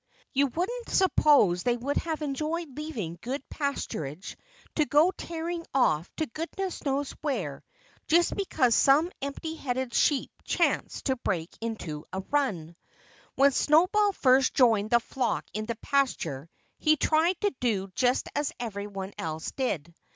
You wouldn't suppose they could have enjoyed leaving good pasturage to go tearing off to goodness knows where, just because some empty headed sheep chanced to break into a run. When Snowball first joined the flock in the pasture he tried to do just as every one else did.